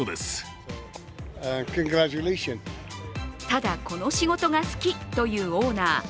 ただ、この仕事が好きというオーナー。